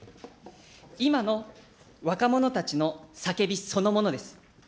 今の若者たちの叫びそのものです。